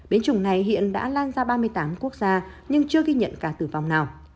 biến chủng này hiện đã lan ra ba mươi tám quốc gia nhưng chưa ghi nhận ca tử vong nào